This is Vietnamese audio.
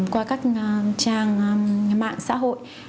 qua các trang mạng xã hội